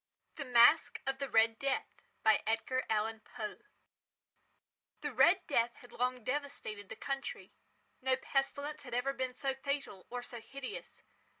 The Masque of the Red Death by Edgar Allan Poe The "Red Death" had long devastated the country. No pestilence had ever been so fatal, or so hideous.